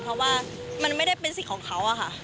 เพราะว่ามันไม่ได้เป็นสิทธิ์ของเขาอะค่ะ